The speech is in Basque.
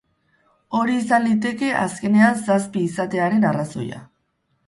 Hori izan liteke, azkenean, zazpi izatearen arrazoia.